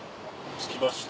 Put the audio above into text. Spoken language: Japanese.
着きました。